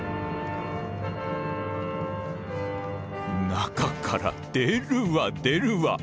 中から出るわ出るわ。